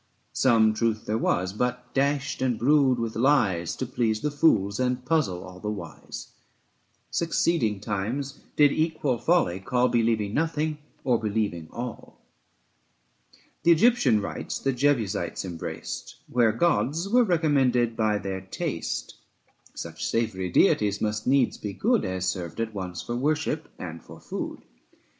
Some truth there was, but dashed and brewed with lies To please the fools and puzzle all the wise : 115 Succeeding times did equal folly call Believing nothing or believing all. The Egyptian rites the Jebusites embraced, Where gods were recommended by their taste; Such savoury deities must needs be good 120 As served at once for worship and for food.